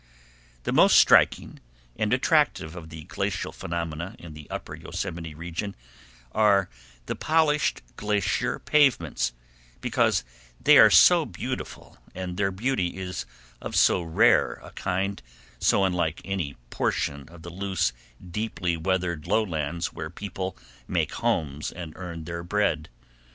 The most striking and attractive of the glacial phenomena in the upper Yosemite region are the polished glacier pavements, because they are so beautiful, and their beauty is of so rare a kind, so unlike any portion of the loose, deeply weathered lowlands where people make homes and earn their bread.